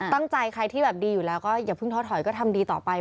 ตั้งใจใครที่แบบดีอยู่แล้วก็อย่าเพิ่งท้อถอยก็ทำดีต่อไป